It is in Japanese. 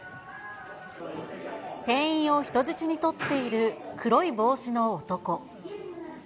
店員を人質に取っている黒い帽子の男。